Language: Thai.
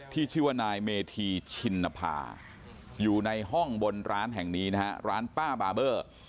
ชื่อว่านายเมธีชินภาอยู่ในห้องบนร้านแห่งนี้นะฮะร้านป้าบาเบอร์